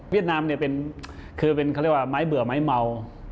เวียดนามเป็นไม้เบื่อไม้เมา